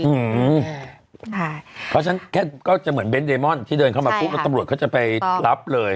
เพราะฉะนั้นแค่ก็จะเหมือนเน้นเดมอนที่เดินเข้ามาปุ๊บแล้วตำรวจเขาจะไปรับเลย